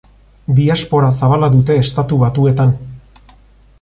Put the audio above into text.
Diaspora zabala dute Estatu Batuetan.